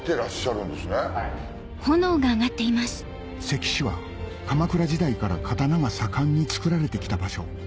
関市は鎌倉時代から刀が盛んにつくられてきた場所